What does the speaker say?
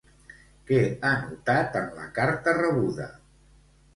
Què ha notat en la carta rebuda?